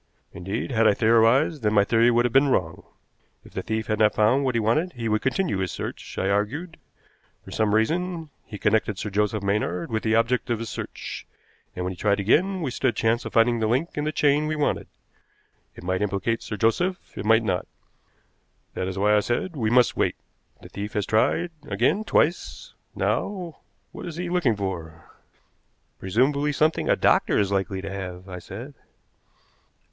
"Indeed, had I theorized, then my theory would have been wrong. If the thief had not found what he wanted, he would continue his search, I argued. For some reason he connected Sir Joseph Maynard with the object of his search, and, when he tried again, we stood a chance of finding the link in the chain we wanted. It might implicate Sir Joseph, it might not. That is why I said we must wait. The thief has tried again twice. Now, what is he looking for?" "Presumably something a doctor is likely to have," I said.